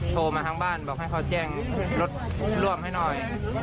โทรมาทางบ้านบอกให้เขาแจ้งรถร่วมให้หน่อย